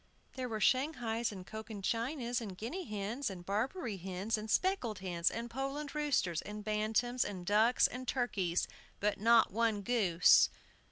There were Shanghais and Cochin Chinas, and Guinea hens, and Barbary hens, and speckled hens, and Poland roosters, and bantams, and ducks, and turkeys, but not one goose!